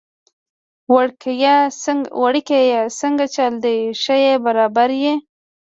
وړکیه څنګه چل دی، ښه يي برابر يي؟